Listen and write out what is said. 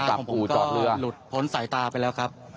ตอนนี้ทางสายตาของผมก็หลุดพ้นสายตาไปแล้วครับ